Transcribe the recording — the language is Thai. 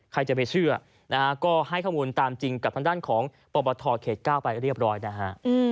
ใครจะไปเชื่อนะฮะก็ให้ข้อมูลตามจริงกับทางด้านของปปทเขต๙ไปเรียบร้อยนะฮะ